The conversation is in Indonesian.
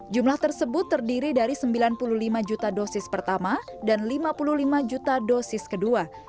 jumlah tersebut terdiri dari sembilan puluh lima juta dosis pertama dan lima puluh lima juta dosis kedua